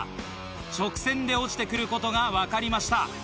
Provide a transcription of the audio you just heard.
直線で落ちて来ることが分かりました。